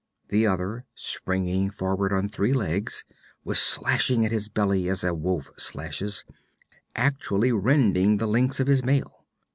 The other, springing forward on three legs, was slashing at his belly as a wolf slashes, actually rending the links of his mail.